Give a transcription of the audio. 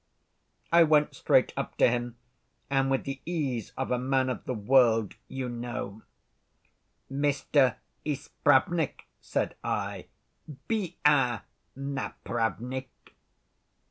I went straight up to him, and with the ease of a man of the world, you know, 'Mr. Ispravnik,' said I, 'be our Napravnik.